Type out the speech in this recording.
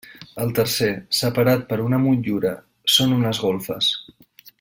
El tercer, separat per una motllura, són unes golfes.